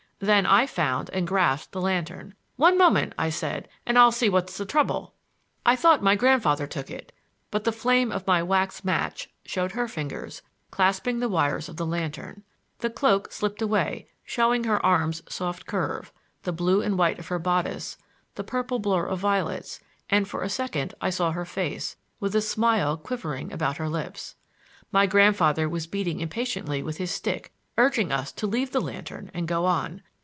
Then I found and grasped the lantern. "One moment," I said, "and I'll see what's the trouble." I thought my grandfather took it, but the flame of my wax match showed her fingers, clasping the wires of the lantern. The cloak slipped away, showing her arm's soft curve, the blue and white of her bodice, the purple blur of violets; and for a second I saw her face, with a smile quivering about her lips. My grandfather was beating impatiently with his stick, urging us to leave the lantern and go on.